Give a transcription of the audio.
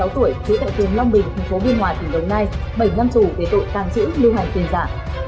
trú tại tuyển long bình thành phố biên hòa tỉnh đồng nai bảy năm tù về tội tàng trữ lưu hành tiền giả